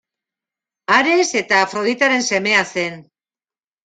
Ares eta Afroditaren semea zen.